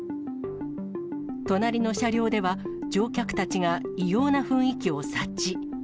隣の車両では、乗客たちが異様な雰囲気を察知。